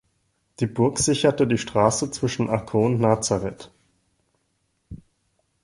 Die Burg sicherte die Straße zwischen Akkon und Nazaret.